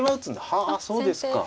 はあそうですか。